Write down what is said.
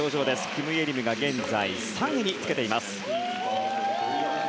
キム・イェリムが現在３位につけています。